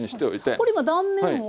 これ今断面を。